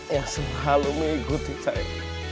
yang selalu mengikuti saya